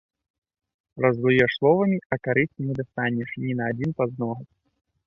Раззлуеш словамі, а карысці не дастанеш ні на адзін пазногаць.